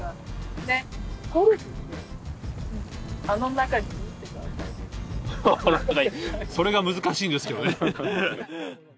あの中にそれが難しいんですけどね。